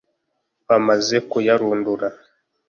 bamaze kuyarundura